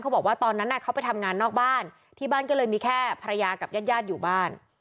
บอกว่าตอนนั้นเขาไปทำงานนอกบ้านที่บ้านก็เลยมีแค่ภรรยากับญาติญาติอยู่บ้าน